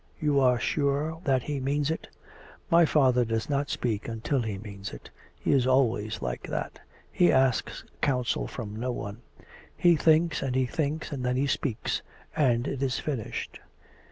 You are sure that he means it .''"" My father does not speak until he means it. He is al ways like that. He asks counsel from no one. He thinks and he thinks, and then he speaks; and it is finished."